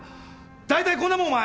大体こんなもんお前。